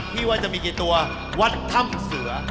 ว่าจะมีกี่ตัววัดถ้ำเสือ